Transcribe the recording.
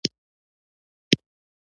د هاکینګ وړانګوټې تور سوري تبخیر کوي.